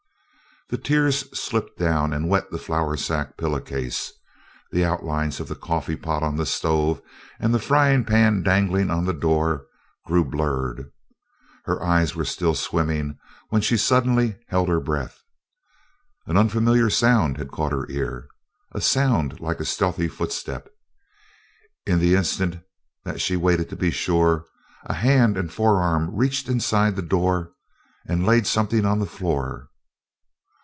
The tears slipped down and wet the flour sack pillow case. The outlines of the coffee pot on the stove and the frying pan dangling on the door grew blurred. Her eyes were still swimming when she suddenly held her breath. An unfamiliar sound had caught her ear, a sound like a stealthy footstep. In the instant that she waited to be sure, a hand and forearm reached inside the door and laid something on the floor.